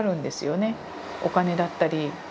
お金だったり。